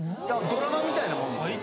ドラマみたいなもんですよね。